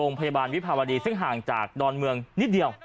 โรงพยาบาลวิภาวดีซึ่งห่างจากดอนเมืองนิดเดียว